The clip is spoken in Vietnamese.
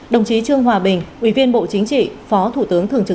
đồng chí trương hòa bình ủy viên bộ chính trị phó thủ tướng thường trực